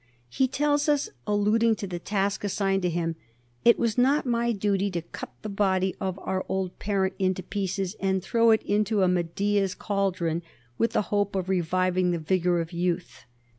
He tells us, alluding to the task assigned to him, "It was not my duty to cut the body of our old parent into pieces, and to throw it into a Medea's caldron, with the hope of reviving the vigor of youth."